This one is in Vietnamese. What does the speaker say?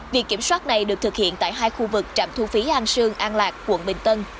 việc kiểm soát này được thực hiện tại hai khu vực trạm thu phí an sương an lạc quận bình tân